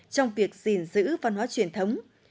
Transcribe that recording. trong việc gìn giữ văn hoá truyền thống